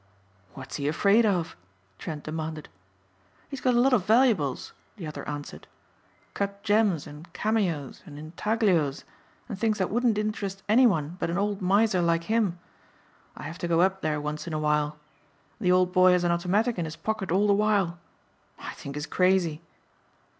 "What's he afraid of?" Trent demanded. "He's got a lot of valuables," the other answered, "cut gems and cameos and intaglios and things that wouldn't interest any one but an old miser like him. I have to go up there once in a while. The old boy has an automatic in his pocket all the while. I think he's crazy."